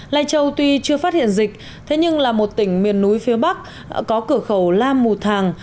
lai châu tuy chưa phát hiện dịch thế nhưng là một tỉnh miền núi phía bắc có cửa khẩu la mù thàng